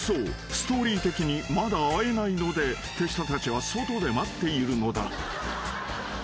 ストーリー的にまだ会えないので手下たちは外で待っているのだ］